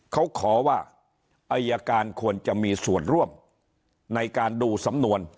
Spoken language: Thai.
เขาขอว่าอายการควรจะมีส่วนร่วมในการดูสำนวน